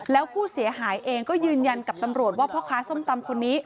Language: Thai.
แล้วผู้เสียหายเองก็ยืนยันกับตำรวจว่าพ่อค้าส้มตำคนนี้